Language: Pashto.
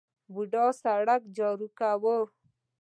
بوډا سرک جارو کاوه.